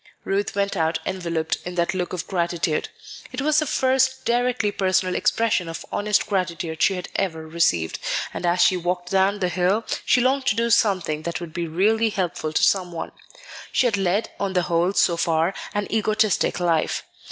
Ruth went out enveloped in that look of gratitude. It was the first directly personal expression of honest gratitude she had ever received; and as she walked down the hill, she longed to do something that would be really helpful to some one. She had led, on the whole, so far, an egotistic life.